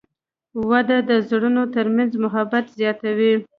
• واده د زړونو ترمنځ محبت زیاتوي.